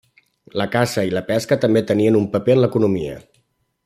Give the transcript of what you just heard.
La caça i la pesca també tenien un paper en l'economia.